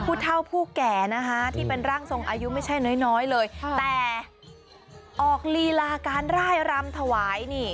ผู้เท่าผู้แก่นะคะที่เป็นร่างทรงอายุไม่ใช่น้อยน้อยเลยแต่ออกลีลาการร่ายรำถวายนี่